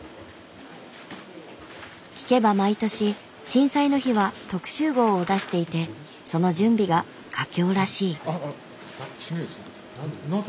聞けば毎年震災の日は特集号を出していてその準備が佳境らしい。